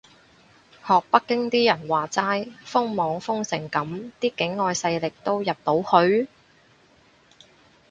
學北京啲人話齋，封網封成噉啲境外勢力都入到去？